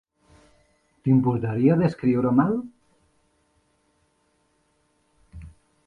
T'importaria descriure-me'l?